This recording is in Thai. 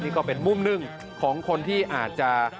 นี่ก็เป็นมุมหนึ่งของคนที่อาจจะ